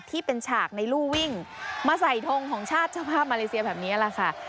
ฉากในรูวิ่งมาใส่ทงของชาติเจ้าภาพมาเลเซียแบบนี้แหละค่ะ